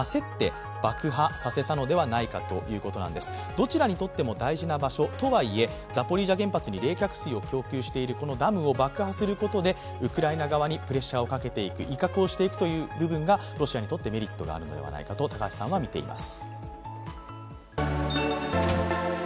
どちらにとっても大事な場所とはいえザポリージャ原発に冷却水を供給しているこのダムを爆破することで、ウクライナ側にプレッシャーをかけていく威嚇をしていくという部分がロシアにとってメリットがあるのではないかと高橋さんはみています。